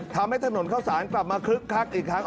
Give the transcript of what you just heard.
ทำให้ถนนเข้าสารกลับมาคึกคักอีกครั้ง